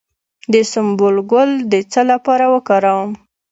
د سنبل ګل د څه لپاره وکاروم؟